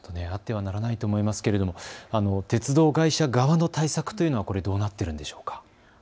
あってはならないと思いますが鉄道会社側の対策というのはどうなっているのでしょうか。